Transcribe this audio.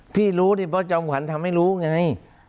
ที่รู้นี่เพราะจอมขวัญทำให้รู้ไง